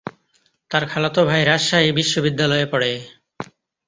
তার খালাতো ভাই রাজশাহী বিশ্বনিদ্যালয়ে পড়ে।